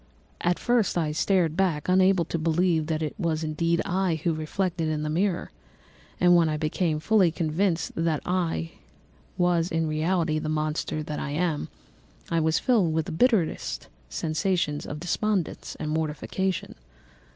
At first I started back, unable to believe that it was indeed I who was reflected in the mirror; and when I became fully convinced that I was in reality the monster that I am, I was filled with the bitterest sensations of despondence and mortification.